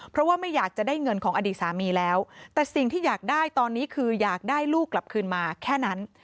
เพราะว่าไม่อยากจะได้เงินของอดีตสามีแล้วแต่สิ่งที่อยากได้ตอนนี้คืออยากได้ลูกกลับคืนมาแค่นั้น